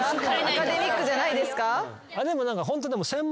アカデミックじゃないですか？